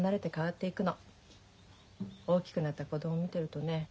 大きくなった子供見てるとね